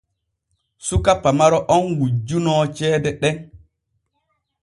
Suka pamaro on wujjunoo ceede ɗen.